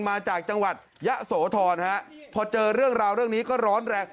มาจากจังหวัดยะโสธรฮะพอเจอเรื่องราวเรื่องนี้ก็ร้อนแรง